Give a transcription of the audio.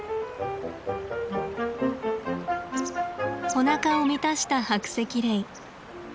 おなかを満たしたハクセキレイ。